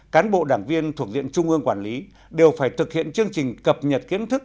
cán bộ đảng viên thuộc diện trung ương quản lý đều phải thực hiện chương trình cập nhật kiến thức